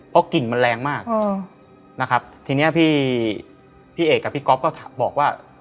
เพราะกลิ่นมันแรงมากนะครับทีนี้พี่เอกกับพี่ก๊อฟก็บอกว่า